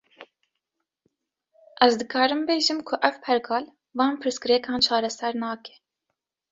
Ez dikarim bêjim ku ev pergal, van pirsgirêkan çareser nake